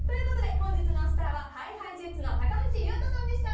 本日のスターはＨｉＨｉＪｅｔｓの高橋優斗さんでした。